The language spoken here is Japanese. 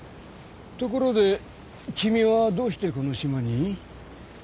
ところで君はどうしてこの島に？